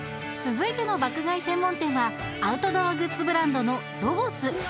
続いての爆買い専門店はアウトドアグッズブランドのＬＯＧＯＳ